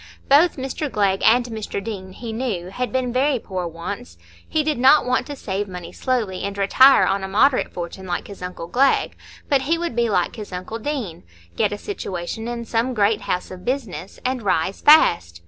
Both Mr Glegg and Mr Deane, he knew, had been very poor once; he did not want to save money slowly and retire on a moderate fortune like his uncle Glegg, but he would be like his uncle Deane—get a situation in some great house of business and rise fast.